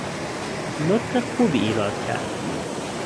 نطق خوبی ایراد کرد